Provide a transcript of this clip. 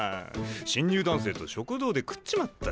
新入団生と食堂で食っちまった。